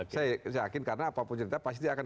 saya yakin karena apapun cerita pasti dia akan